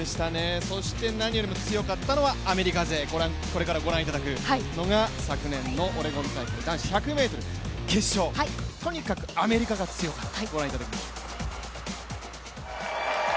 何よりも強かったのはアメリカ勢これからご覧いただくのが昨年のオレゴン大会男子１００ｍ決勝、とにかくアメリカが強かった。